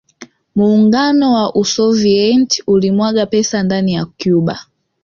Muungano wa Usovieti ulimwaga pesa ndani ya Cuba